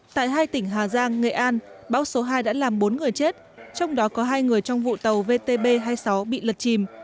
tại hai tỉnh hà giang nghệ an bão số hai đã làm bốn người chết trong đó có hai người trong vụ tàu vtb hai mươi sáu bị lật chìm